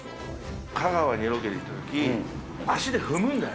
香川にロケ行ったとき、足で踏むんだよ。